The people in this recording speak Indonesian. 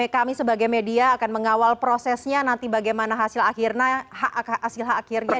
kami sebagai media akan mengawal prosesnya nanti bagaimana hasil akhirnya hasil akhirnya